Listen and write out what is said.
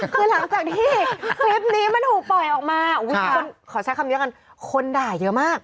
คือหลังจากที่คลิปนี้มันถูกปล่อยออกมาขอใช้คำเดียวกันคนด่าเยอะมาก